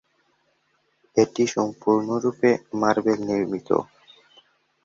এটি সম্পূর্ণরূপে মার্বেল নির্মিত।